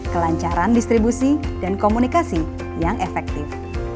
kelancaran distribusi dan komunikasi yang efektif